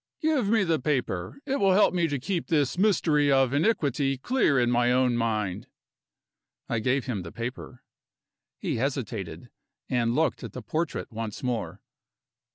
Give me the paper; it will help me to keep this mystery of iniquity clear in my own mind." I gave him the paper. He hesitated and looked at the portrait once more.